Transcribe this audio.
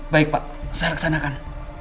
baik pak saya reksanakan